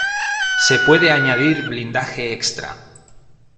Se puede añadir blindaje extra.